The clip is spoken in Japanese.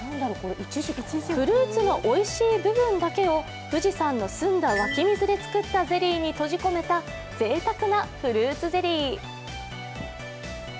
フルーツのおいしい部分だけを富士山の澄んだ湧き水で作ったゼリーに閉じ込めたぜいたくなフルーツゼリー。